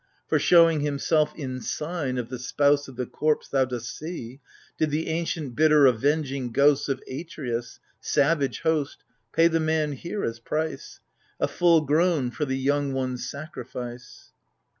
For, showing himself in sign Of the spouse of the corpse thou dost see, Did the ancient bitter avenging ghost Of Atreus, savage host, Pay the man liere as price — A full grown for the young one's sacrifice.